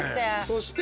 そして。